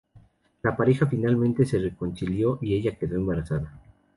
La pareja finalmente se reconcilió y ella quedó embarazada.